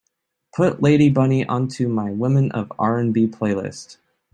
Put lady bunny onto my Women of R&B playlist.